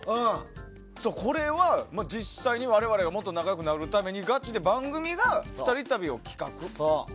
これは実際に、我々がもっと仲良くなるためにガチで番組が２人旅を企画。